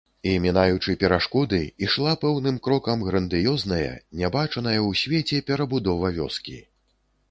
І, мінаючы перашкоды, ішла пэўным крокам грандыёзная, нябачаная ў свеце перабудова вёскі.